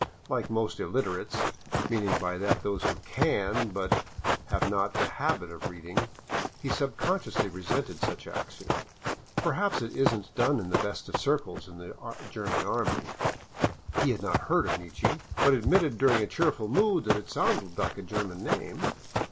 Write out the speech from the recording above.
Like most illiterates — meaning by that those who can, but have not the habit of reading — he sub consciously resented such action. Perhaps it isn't done in the best circles of the German army. He had not heard of Nietzsche, but admitted during a cheerful mood that it sounded like a German name.